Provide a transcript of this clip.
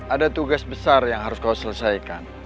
ada tugas besar yang harus kau selesaikan